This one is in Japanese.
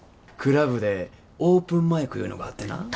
クラブでオープンマイクいうのがあってな。